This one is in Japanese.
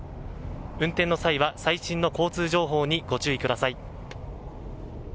運転の際は最新の交通情報にご注意ください。